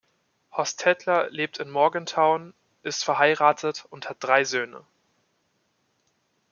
Hostetler lebt in Morgantown, ist verheiratet und hat drei Söhne.